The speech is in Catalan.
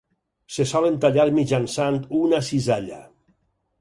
Se solen tallar mitjançant una cisalla.